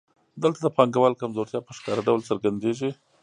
دلته د پانګوال کمزورتیا په ښکاره ډول څرګندېږي